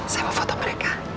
saya mau foto mereka